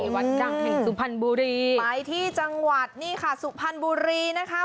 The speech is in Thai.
วัดดังแห่งสุพรรณบุรีไปที่จังหวัดนี่ค่ะสุพรรณบุรีนะคะ